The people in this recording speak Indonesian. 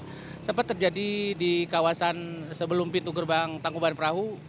ini sempat terjadi di kawasan sebelum pintu gerbang tangkuban perahu